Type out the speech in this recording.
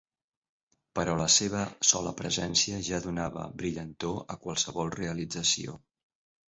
Però la seva sola presència ja donava brillantor a qualsevol realització.